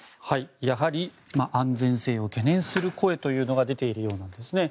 やはり安全性を懸念する声が出ているようなんです。